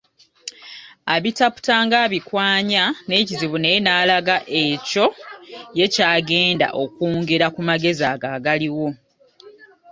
Abitaputa ng’abikwanya n’ekizibu naye n’alaga ekyo ye ky’agenda okwongera ku magezi ago agaliwo.